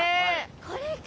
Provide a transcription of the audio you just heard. これか。